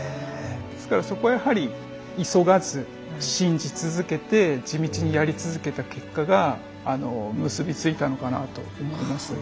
ですからそこはやはり急がず信じ続けて地道にやり続けた結果が結び付いたのかなと思います。